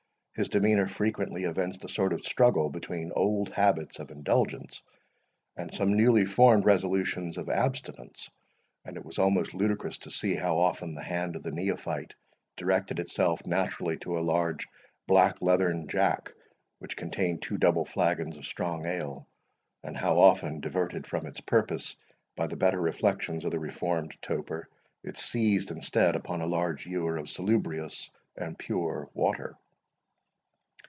His demeanour frequently evinced a sort of struggle betwixt old habits of indulgence, and some newly formed resolutions of abstinence; and it was almost ludicrous to see how often the hand of the neophyte directed itself naturally to a large black leathern jack, which contained two double flagons of strong ale, and how often, diverted from its purpose by the better reflections of the reformed toper, it seized, instead, upon a large ewer of salubrious and pure water.